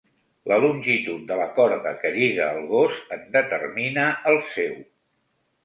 La longitud de la corda que lliga el gos en determina el seu.